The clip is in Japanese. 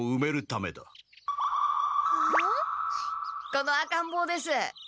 この赤んぼうです。